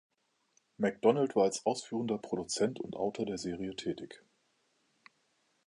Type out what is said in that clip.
MacDonald war als ausführender Produzent und Autor der Serie tätig.